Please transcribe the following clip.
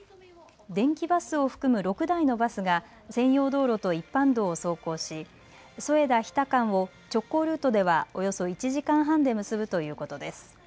電気バスを含む６台のバスが専用道路と一般道を走行し添田・日田間を直行ルートではおよそ１時間半で結ぶということです。